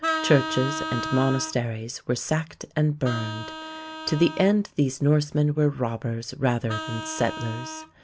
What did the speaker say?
Churches and monasteries were sacked and burned. To the end these Norsemen were robbers rather than settlers.